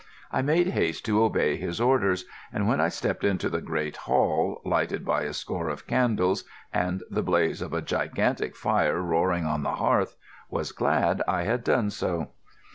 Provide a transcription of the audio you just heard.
I made haste to obey his orders, and when I stepped into the great hall, lighted by a score of candles and the blaze of a gigantic fire roaring on the hearth, was glad I had done so.